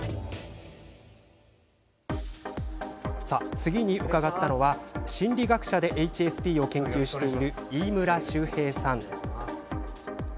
次に伺ったのは心理学者でＨＳＰを研究している飯村周平さん。